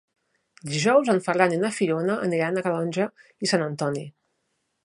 Dijous en Ferran i na Fiona aniran a Calonge i Sant Antoni.